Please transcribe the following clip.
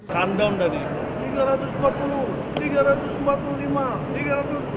kandang dari tiga ratus empat puluh tiga ratus empat puluh lima tiga ratus kemudian itu tiga ratus lima puluh wuih